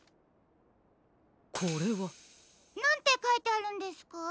これは。なんてかいてあるんですか？